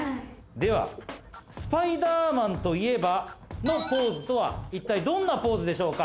ではスパイダーマンといえばのポーズとは一体どんなポーズでしょうか？